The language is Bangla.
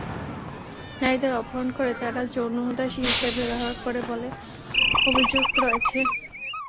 নারীদের অপহরণ করে তারা যৌনদাসী হিসেবে ব্যবহার করে বলে অভিযোগ রয়েছে।